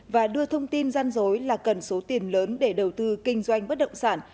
và đưa thông tin gian dối là cần số tiền lớn để đầu tư kinh doanh bất động sản